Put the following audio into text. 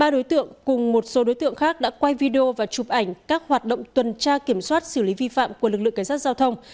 ba đối tượng cùng một số đối tượng khác đã quay video và chụp ảnh các hoạt động tuần tra kiểm soát xử lý vi phạm của lực lượng cảnh sát giao thông